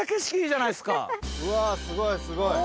うわすごいすごい。